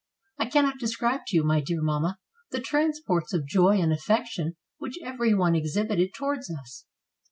I cannot describe to you, my dear mamma, the trans ports of joy and affection which every one exhibited to wards us.